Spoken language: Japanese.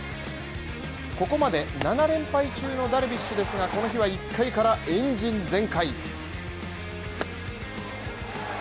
ここまで７連敗中のダルビッシュですが、この日は１回からエンジン全開。